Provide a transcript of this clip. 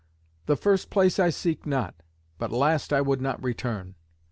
The first place I seek not, but last I would not return."